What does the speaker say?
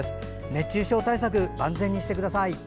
熱中症対策、万全にしてください。